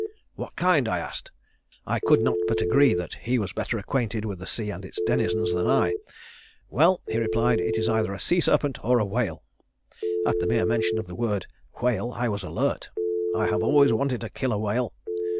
'What kind?' I asked. I could not but agree that he was better acquainted with the sea and its denizens than I. 'Well,' he replied, 'it is either a sea serpent or a whale.' At the mere mention of the word whale I was alert. I have always wanted to kill a whale.